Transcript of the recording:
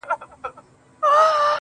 o او خبرو باندي سر سو.